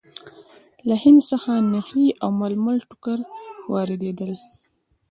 له هند څخه نخي او ململ ټوکر واردېدل.